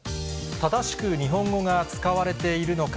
正しく日本語が使われているのか。